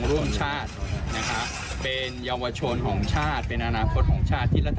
ส่วนใหญ่ก็จะเป็นการคิดอันนี้ก็จะเป็นน่าจะเป็นเพื่อนที่เขียนให้